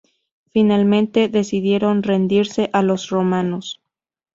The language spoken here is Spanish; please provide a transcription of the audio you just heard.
Finalmente, decidieron rendirse a los romanos.